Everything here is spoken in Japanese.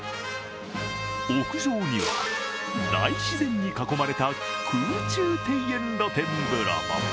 屋上には大自然に囲まれた空中庭園露天風呂も。